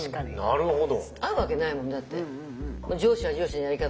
なるほど。